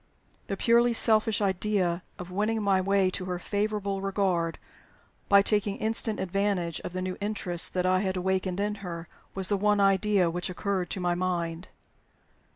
The purely selfish idea of winning my way to her favorable regard by taking instant advantage of the new interest that I had awakened in her was the one idea which occurred to my mind.